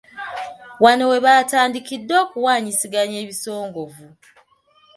Wano we batandikidde okuwanyisiganya ebisongovu.